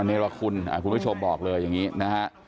เนรคุณคุณผู้ชมบอกเลยอย่างนี้นะฮะ